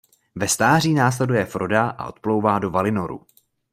Ve stáří následuje Froda a odplouvá do Valinoru.